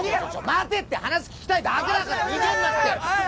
待てって話聞きたいだけだから逃げるなって！